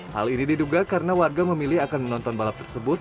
hal ini diduga karena warga memilih akan menonton balap tersebut